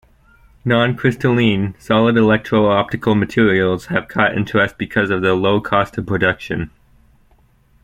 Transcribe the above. Non-crystalline, solid electro-optical materials have caught interest because of their low cost of production.